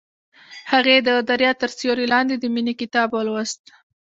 هغې د دریا تر سیوري لاندې د مینې کتاب ولوست.